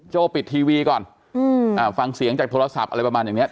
โจ้ปิดทีวีก่อนฟังเสียงจากโทรศัพท์อะไรประมาณเหมือนเนี้ย